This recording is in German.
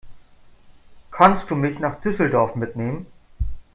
Kannst du mich nach Düsseldorf mitnehmen?